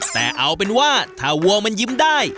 แต่เอาเป็นว่าถ้าวัวมันยิ้มได้